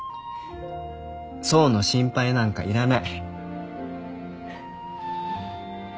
想の心配なんかいらない。